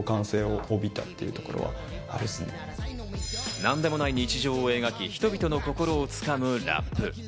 何でもない日常を描き、人々の心をつかむラップ。